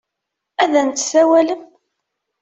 Ad n-tsawalem?